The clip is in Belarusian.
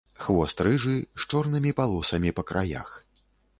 Хвост рыжы з чорнымі палосамі па краях.